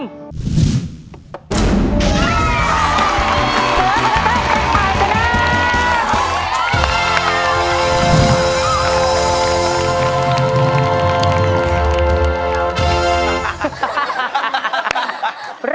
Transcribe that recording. เสือขนาดเต้นเป็นข่าวชนะ